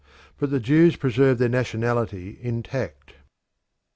But the Jews preserved their nationality intact.